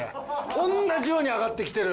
おんなじように上がってきてる。